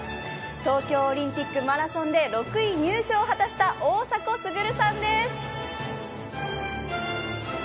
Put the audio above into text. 東京オリンピックマラソンで６位入賞を果たした大迫傑さんです。